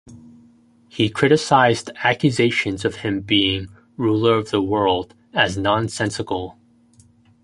He criticized accusations of him being "ruler of the world" as nonsensical.